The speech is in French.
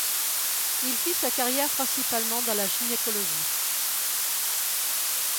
Il fit sa carrière principalement dans la gynécologie.